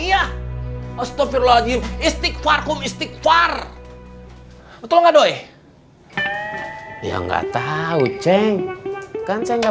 iya astagfirullah aljim istighfar kum istighfar betul nggak doi ya nggak tahu ceng kan saya nggak